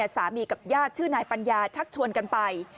สามีกับญาติชื่อนายปัญญาชักชวนกันไป